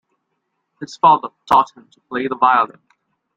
His father taught him to play the violin.